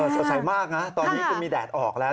สดใสมากนะตอนนี้คุณมีแดดออกแล้ว